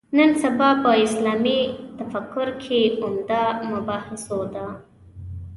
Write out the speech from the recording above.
نن سبا په اسلامي تفکر کې عمده مباحثو ده.